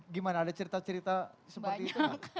gimana ada cerita cerita seperti itu